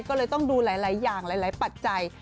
ก็เลยต้องดูหลายอย่างหลายปัจจัย